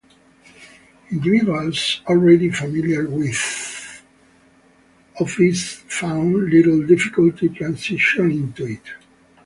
Individuals already familiar with Microsoft Office found little difficulty transitioning to it.